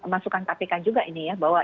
masukkan tapi kan juga ini ya bahwa